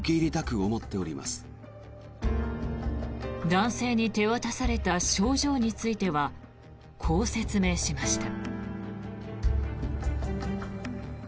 男性に手渡された症状についてはこう説明しました。